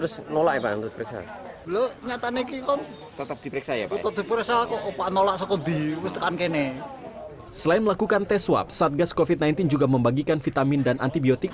selain melakukan tes swab satgas covid sembilan belas juga membagikan vitamin dan antibiotik